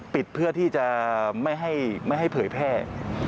เพื่อที่จะไม่ให้เผยแพร่